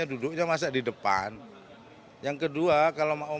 itu nanti dipertimbangkan oleh pak jokowi